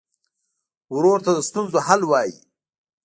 ورور ته د ستونزو حل وايي.